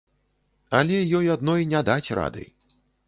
Але ёй адной не даць рады.